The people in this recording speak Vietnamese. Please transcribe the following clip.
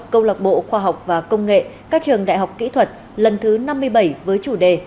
câu lạc bộ khoa học và công nghệ các trường đại học kỹ thuật lần thứ năm mươi bảy với chủ đề